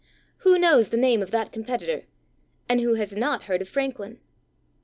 Who knows the name of that competitor? and who has not heard of Franklin?